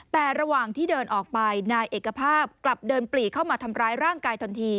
แต่ระหว่างที่เดินออกไปนายเอกภาพกลับเดินปลีเข้ามาทำร้ายร่างกายทันที